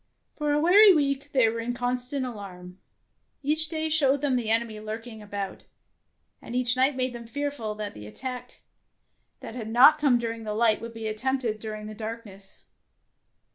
For a weary week they were in con stant alarm. Each day showed them the enemy lurking about, and each night made them fearful that the at tack which had not come during the light would be attempted during the 122 DEFENCE OF CASTLE DANGEROUS darkness.